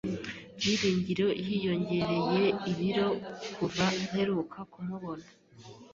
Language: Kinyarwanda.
Byiringiro yiyongereye ibiro kuva mperuka kumubona.